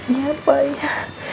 iya pak ya